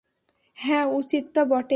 হ্যাঁ, উচিত তো বটেই।